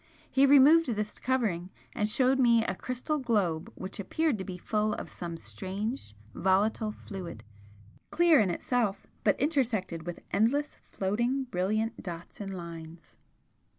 He removed this covering, and showed me a crystal globe which appeared to be full of some strange volatile fluid, clear in itself, but intersected with endless floating brilliant dots and lines.